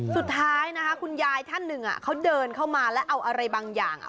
สุดท้ายนะคะคุณยายท่านหนึ่งเขาเดินเข้ามาแล้วเอาอะไรบางอย่าง